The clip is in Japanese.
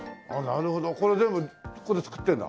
なるほどこれ全部ここで作ってるんだ。